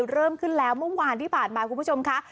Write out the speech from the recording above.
เริ่มขึ้นแล้วเมื่อวานที่ผ่านมาคุณผู้ชมค่ะ